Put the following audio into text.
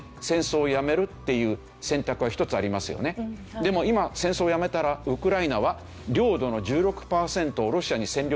でも今戦争をやめたらウクライナは領土の１６パーセントをロシアに占領されたままですよね。